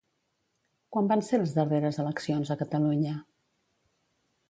Quan van ser les darreres eleccions a Catalunya?